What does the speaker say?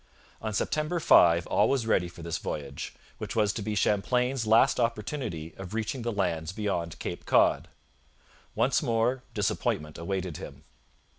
On September 5 all was ready for this voyage, which was to be Champlain's last opportunity of reaching the lands beyond Cape Cod. Once more disappointment awaited him.